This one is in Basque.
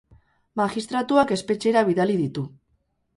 Magistratuak espetxera bidali ditu.